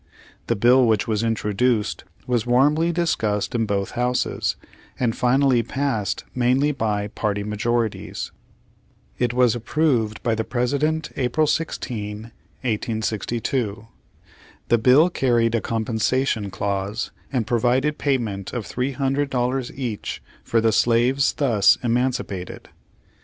The bill which was introduced, was warmly discussed in both houses, and finally passed mainly by party majorities. It was ap proved by the President April 16, 1862. The bill carried a compensation clause, and provided pay ment of $300 each for the slaves thus emanci pated.